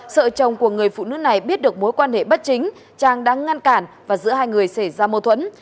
sợ chồng của người phụ nữ này biết được mối quan hệ bất chính trang đang ngăn cản và giữa hai người xảy ra mâu thuẫn